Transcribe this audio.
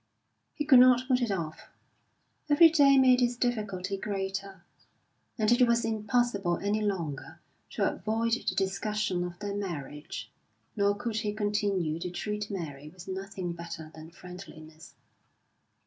He could not put it off. Every day made his difficulty greater, and it was impossible any longer to avoid the discussion of their marriage, nor could he continue to treat Mary with nothing better than friendliness.